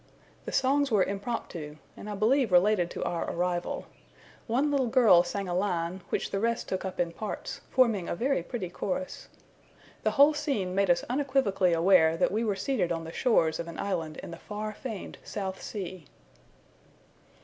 The songs were impromptu, and I believe related to our arrival: one little girl sang a line, which the rest took up in parts, forming a very pretty chorus. The whole scene made us unequivocally aware that we were seated on the shores of an island in the far famed South Sea.